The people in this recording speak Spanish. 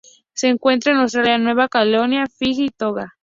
Se encuentra en Australia, Nueva Caledonia, Fiyi y Tonga.